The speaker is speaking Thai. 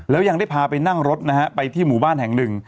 แล้วยังได้พาไปนั่งรถนะฮะไปที่หมู่บ้านแห่งหนึ่ง